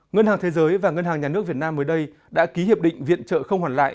ngân hàng thế giới và ngân hàng nhà nước việt nam mới đây đã ký hiệp định viện trợ không hoàn lại